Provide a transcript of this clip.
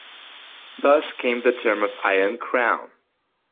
Thus came the term of "Iron Crown".